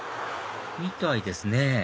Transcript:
みたいですね